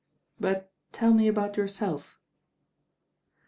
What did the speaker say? But tell me about yourself."